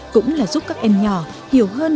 cũng là giúp các em nhỏ hiểu hơn